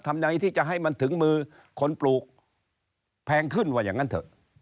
ทำไงที่จะให้มันถึงมือคนปลูกแพงขึ้นว่าอย่างนั้นเถอะ